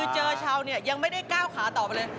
เจอชาวเนี่ยยังไม่ได้ก้าวขาต่อไปเลย